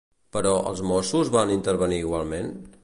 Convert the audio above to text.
Però, els Mossos van intervenir igualment?